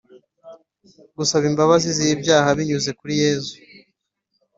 Gusaba imbabazi z’ibyaha binyuze kuri Yesu